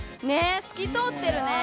透き通ってるね。